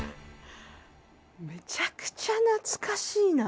めちゃくちゃ懐かしいなあ。